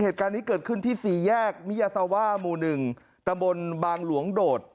เหตุการณ์นี้เกิดขึ้นที่สี่แยกมิยาซาว่าหมู่๑ตะบนบางหลวงโดด